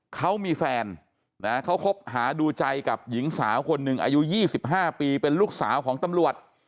เขามีแฟนนะเขาคบหาดูใจกับหญิงสาวคนหนึ่งอายุ๒๕ปีเป็นลูกสาวของตำรวจ